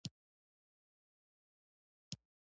• د سهار هوا روح ته تازه والی ورکوي.